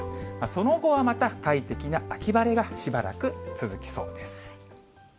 その後はまた快適な秋晴れがしばらく続きそうです。